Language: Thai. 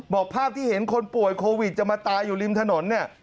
ภาพที่เห็นคนป่วยโควิดจะมาตายอยู่ริมถนนเนี่ย